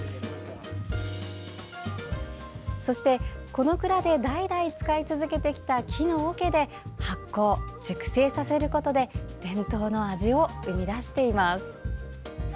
そして、この蔵で代々使い続けてきた木のおけで発酵・熟成させることで伝統の味を生み出しています。